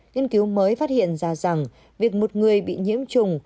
nghiên cứu mới phát hiện ra rằng việc một người bị nhiễm trùng